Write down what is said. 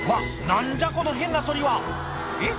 何じゃこの変な鳥はえっ？